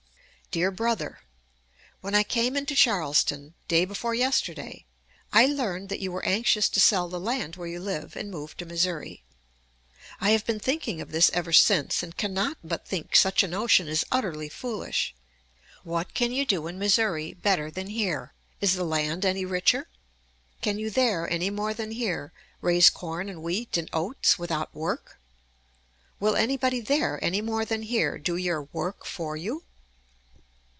DEAR BROTHER: When I came into Charleston, day before yesterday, I learned that you were anxious to sell the land where you live and move to Missouri. I have been thinking of this ever since, and cannot but think such a notion is utterly foolish. What can you do in Missouri better than here? Is the land any richer? Can you there, any more than here, raise corn and wheat and oats without work? Will anybody there, any more than here, do your work for you?